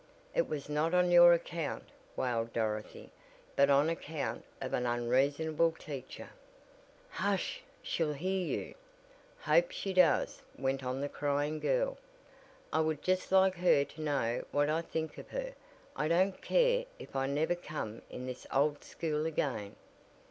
"It was not on your account," wailed Dorothy, "but on account of an unreasonable teacher." "Hush! She'll hear you." "Hope she does," went on the crying girl. "I would just like her to know what I think of her. I don't care if I never come in this old school again."